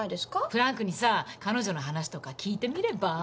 フランクにさ彼女の話とか聞いてみれば？